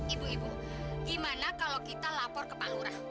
ibu ibu gimana kalau kita lapor ke pak lurah